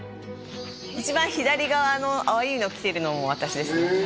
一番左側の青いの着てるのも私ですねへえ